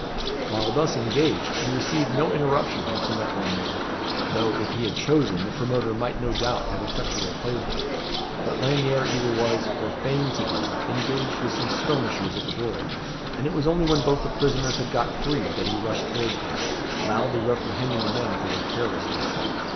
While thus engaged, he received no interruption from Clement Lanyere, though, if he had chosen, the promoter might no doubt have effectually opposed him. But Lanyere either was, or feigned to be, engaged with some skirmishers at the door; and it was only when both the prisoners had got free, that he rushed towards them, loudly reprehending the men for their carelessness.